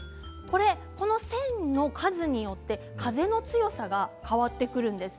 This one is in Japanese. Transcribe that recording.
この線の数によって風の強さが変わってくるんです。